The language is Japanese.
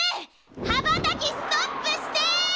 はばたきストップして！